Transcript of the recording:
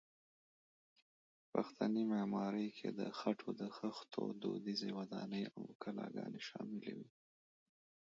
پښتني معمارۍ کې د خټو د خښتو دودیزې ودانۍ او کلاګانې شاملې دي.